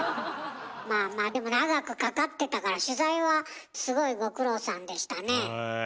まあまあでも長くかかってたから取材はすごいご苦労さんでしたね。